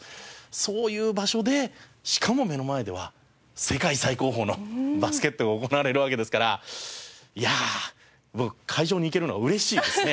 そういう場所でしかも目の前では世界最高峰のバスケットが行われるわけですからいやあ会場に行けるのが嬉しいですね。